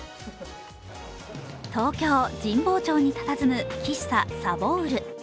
東京・神保町にたたずむ喫茶さぼうる。